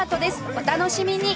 お楽しみに！